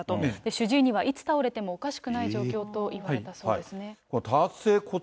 主治医には、いつ倒れてもおかしくない状況と言われたそうですね。